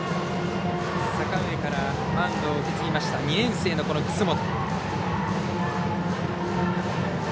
阪上からマウンドを引き継ぎました２年生の楠本。